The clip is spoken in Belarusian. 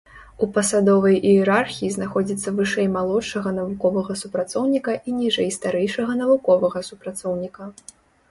У пасадовай іерархіі знаходзіцца вышэй малодшага навуковага супрацоўніка і ніжэй старэйшага навуковага супрацоўніка.